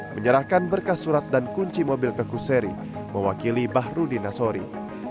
menyerahkan berkas surat dan kunci mobil ke kuseri mewakili bahrudin nasori